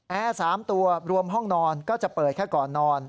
แอร์๓ตัวรวมห้องนอนก็จะเปิดแค่ก่อนนอน